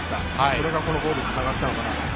それがこのゴールにつながったのかなと。